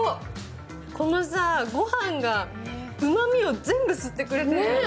この、ご飯がうまみを全部吸ってくれるよね。